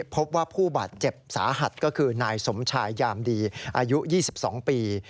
พบว่าผู้บาดเจ็บสาหัสก็คือนายสมชายยามดีอายุ๒๒ปี